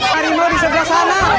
harimau di sebelah sana